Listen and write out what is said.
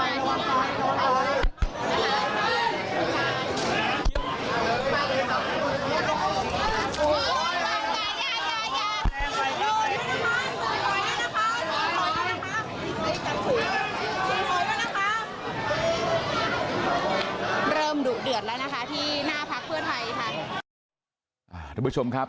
เริ่มดุเดือดแล้วนะคะที่หน้าพักเพื่อไทยค่ะทุกผู้ชมครับ